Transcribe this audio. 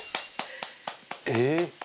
「えっ！」